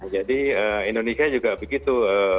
jadi indonesia juga begitu